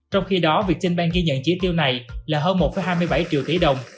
trong khi đó việt tin bank ghi nhận chỉ tiêu này là hơn một hai mươi bảy triệu tỷ đồng